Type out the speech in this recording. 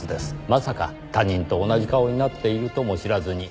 まさか他人と同じ顔になっているとも知らずに。